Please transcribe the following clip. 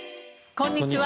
こんにちは。